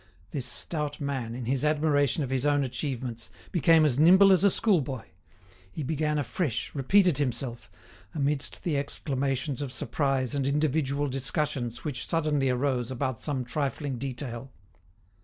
This stout man, in his admiration of his own achievements, became as nimble as a schoolboy; he began afresh, repeated himself, amidst the exclamations of surprise and individual discussions which suddenly arose about some trifling detail.